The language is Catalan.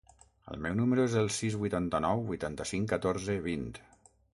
El meu número es el sis, vuitanta-nou, vuitanta-cinc, catorze, vint.